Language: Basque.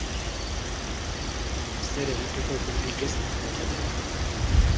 Ezer egiteko aukerarik ez daukatelako.